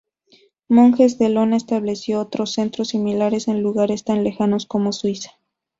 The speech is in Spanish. Monjes de Iona establecieron otros centros similares en lugares tan lejanos como Suiza.